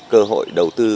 cơ hội đầu tư